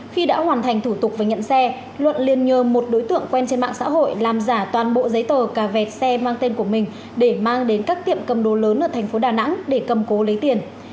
khi đã hoàn thành thủ tục và nhận xe luận liên nhờ một đối tượng quen trên mạng xã hội làm giả toàn bộ giấy tờ cà vẹt xe mang tên của mình để mang đến các tiệm cầm đồ lớn ở thành phố đà nẵng để cầm cố lấy tiền